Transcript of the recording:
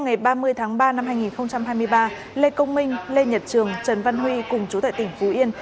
ngày ba mươi tháng ba năm hai nghìn hai mươi ba lê công minh lê nhật trường trần văn huy cùng chú tại tỉnh phú yên